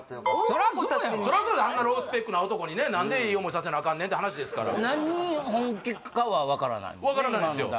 そりゃそうやわあんなロースペックな男にね何でいい思いさせなあかんねんって話ですから何人本気かは分からないのね分からないんですよ